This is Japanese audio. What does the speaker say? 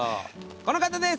この方です！